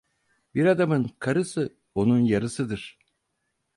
Bir adamın karısı onun yarısıdır.